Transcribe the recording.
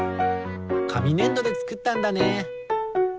かみねんどでつくったんだね。